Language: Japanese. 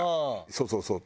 そうそうそう。